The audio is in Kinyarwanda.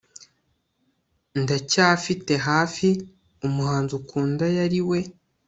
ndacyafite hafi, umuhanzi ukunda yari we